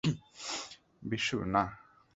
বিশু, না।